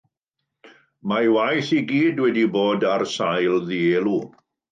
Mae ei waith i gyd wedi bod ar sail ddielw.